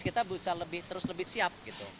kita bisa terus lebih siap